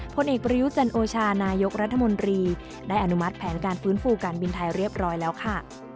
ผลเอกประยุจันโอชานายกรัฐมนตรีได้อนุมัติแผนการฟื้นฟูการบินไทยเรียบร้อยแล้วค่ะ